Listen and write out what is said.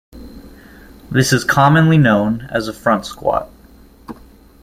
This is commonly known as a front squat.